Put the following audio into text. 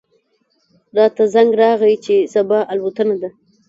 راته زنګ راغی چې صبا الوتنه ده.